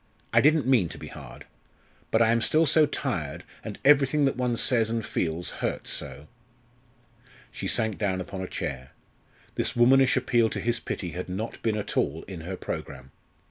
I didn't mean to be hard. But I am still so tired and everything that one says, and feels, hurts so." She sank down upon a chair. This womanish appeal to his pity had not been at all in her programme.